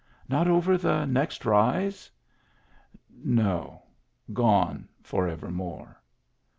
Not over the next rise? No ; gone for evermore.